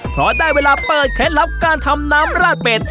เพราะได้เวลาเปิดเคล็ดลับการทำน้ำราดเป็ด